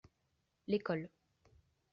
L’école.